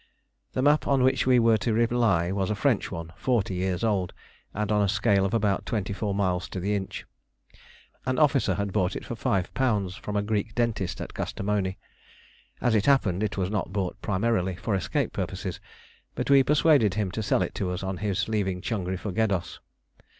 The map on which we were to rely was a French one, forty years old, and on a scale of about twenty four miles to the inch. An officer had bought it for five pounds from a Greek dentist at Kastamoni. As it happened it was not bought primarily for escape purposes, but we persuaded him to sell it to us on his leaving Changri for Geddos.